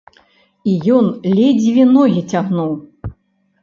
І ён ледзьве ногі цягнуў.